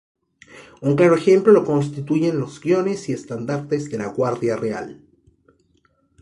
Un claro ejemplo lo constituyen los guiones y estandartes de la Guardia Real.